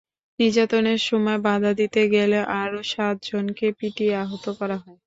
নির্যাতনের সময় বাধা দিতে গেলে আরও সাতজনকে পিটিয়ে আহত করা হয়।